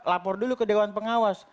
lapor dulu ke dewan pengawas